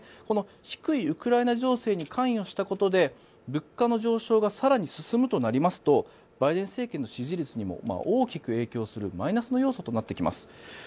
この低いウクライナ情勢に関与したことで物価の上昇が更に進むとなりますとバイデン政権の支持率にも大きく影響するマイナスの要素になってきます。